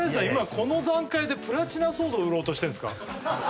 今この段階でプラチナソード売ろうとしてんですか？